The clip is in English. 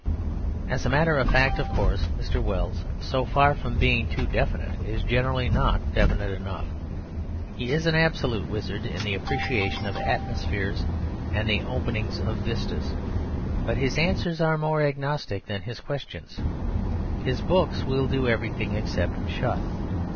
As a matter of fact, of course, Mr. Wells, so far from being too definite, is generally not definite enough. He is an absolute wizard in the appreciation of atmospheres and the opening of vistas; but his answers are more agnostic than his questions. His books will do everything except shut.